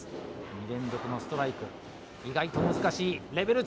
２連続のストライク意外と難しいレベル